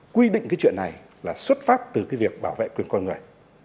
quy định cái chuyện này là xuất phát từ cái việc bảo vệ quyền con người